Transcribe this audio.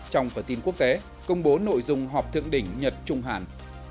trong phở tin quốc kế công bố nội dung họp thượng đỉnh nhật trung hàn